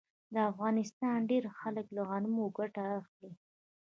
د افغانستان ډیری خلک له غنمو ګټه اخلي.